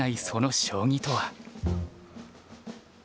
その将棋とは。